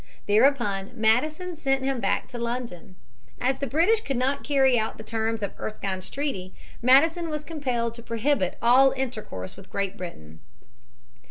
Thereupon Madison sent him back to London. As the British would not carry out the terms of Erskine's treaty, Madison was compelled to prohibit all intercourse with Great Britain.